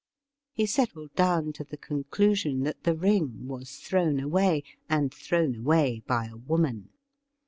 He settled down to the conclusion that the ring was thrown away, and thrown away by a woman.